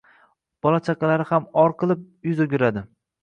Bola-chaqalari ham or qilib, yuz o’giradi.